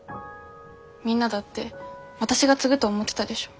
みんなだって私が継ぐと思ってたでしょ？